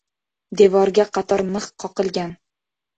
Devorga qator mix qoqilgan.